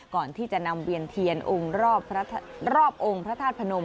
ก่อนที่จะนำเวียนเทียนองค์รอบองค์พระธาตุพนม